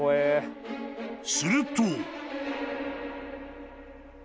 ［すると］